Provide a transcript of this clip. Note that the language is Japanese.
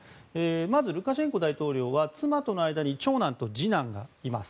まずルカシェンコ大統領は妻との間に長男と次男がいます。